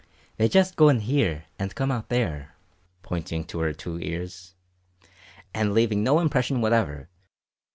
They just go in here, and come out there (pointing to her two ears), and leave no impression whatever."